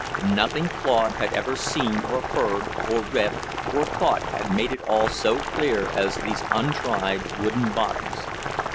Nothing Claude had ever seen or heard or read or thought had made it all so clear as these untried wooden bottoms.